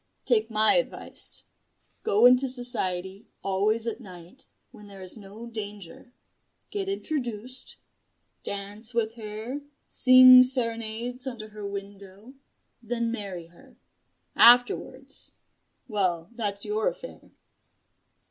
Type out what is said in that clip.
Take my advice go into society, always at night, when there is no danger; get introduced; dance with her; sing serenades under her window; then marry her. Afterwards well, that's your affair."